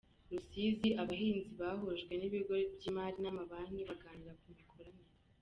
Rusizi Abahinzi bahujwe n’ibigo by’imari n’amabanki baganira ku mikoranire